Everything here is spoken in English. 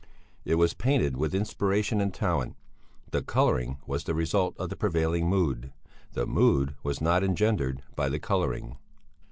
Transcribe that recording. It was painted with inspiration and talent; the colouring was the result of the prevailing mood, the mood was not engendered by the colouring.